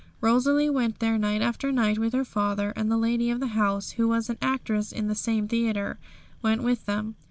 Rosalie went there night after night with her father, and the lady of the house, who was an actress in the same theatre, went with them.